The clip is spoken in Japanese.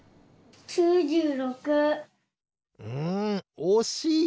うんおしい！